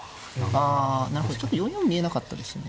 あなるほどちょっと４四見えなかったですね。